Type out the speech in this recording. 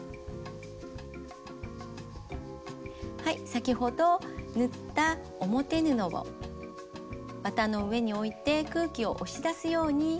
先ほど縫った表布を綿の上に置いて空気を押し出すようにします。